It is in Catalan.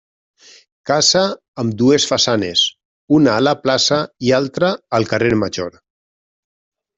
Casa amb dues façanes, una a la plaça i l'altra al carrer Major.